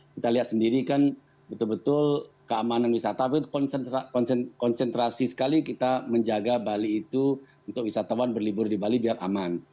kita lihat sendiri kan betul betul keamanan wisata tapi konsentrasi sekali kita menjaga bali itu untuk wisatawan berlibur di bali biar aman